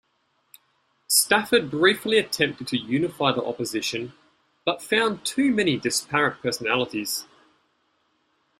Stafford briefly attempted to unify the opposition, but found too many disparate personalities.